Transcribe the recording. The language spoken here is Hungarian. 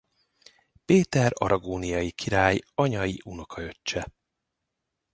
Péter aragóniai király anyai unokaöccse.